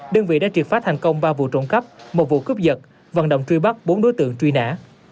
đơn vị đã triệt phá thành công ba vụ trộm cắp một vụ cướp giật vận động truy bắt bốn đối tượng truy nã